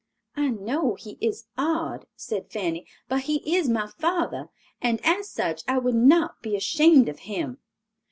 "I know he is odd," said Fanny; "but he is my father, and as such I would not be ashamed of him."